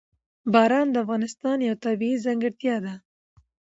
باران د افغانستان یوه طبیعي ځانګړتیا ده.